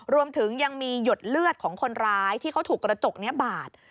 รวมถึงยังมีหยดเลือดของคนร้ายที่เขาถูกกระจกนี้บาด